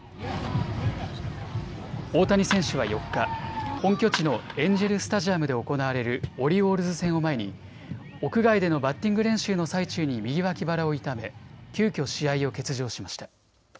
大谷選手は４日、本拠地のエンジェルスタジアムで行われるオリオールズ戦を前に屋外でのバッティング練習の最中に右脇腹を痛め急きょ試合を欠場しました。